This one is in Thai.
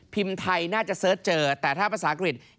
พิมพ์ไทยน่าจะเซิร์ชเจอแต่ถ้าภาษากลิ่น